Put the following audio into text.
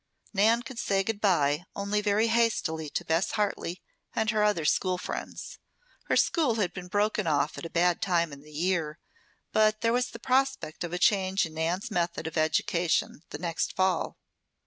Nan could say "Goodbye" only very hastily to Bess Harley and her other school friends. Her school had to be broken off at a bad time in the year, but there was the prospect of a change in Nan's method of education the next fall.